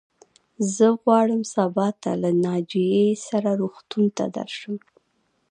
زه غواړم سبا ته له ناجيې سره روغتون ته درشم.